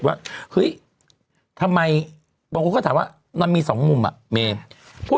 ว่าเฮ้ยทำไมบางคนก็ถามว่ามันมีสองมุมอ่ะเมย์